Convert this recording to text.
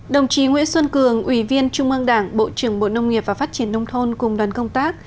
đồng chí nguyễn xuân cường ủy viên trung ương đảng bộ trưởng bộ nông nghiệp và phát triển nông thôn cùng đoàn công tác